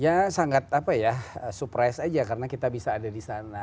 ya sangat apa ya surprise aja karena kita bisa ada di sana